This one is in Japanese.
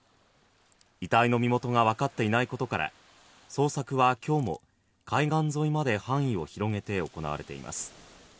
遺体の身元が分かっていないことから捜索は今日も海岸沿いまで範囲を広げて行われています。